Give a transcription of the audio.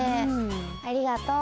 ありがとう。